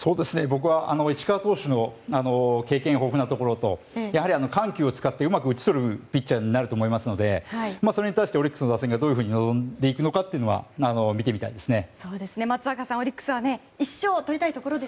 僕は石川投手の経験豊富なところとやはり緩急を使ってうまく打ち取るピッチャーになると思いますのでそれに対してオリックスの打線がどのように臨んでいくかを見てみたいですね。